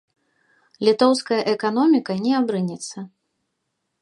Літоўская эканоміка не абрынецца.